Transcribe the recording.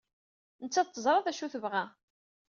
Nettat teẓra d acu ay tebɣa.